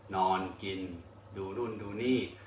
นอนกินดูนู่นดูนี่